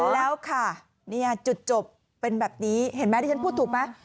แล้วค่ะจุดจบเป็นแบบนี้เห็นไหมที่ฉันพูดถูกไหม